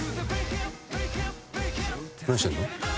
何してんの？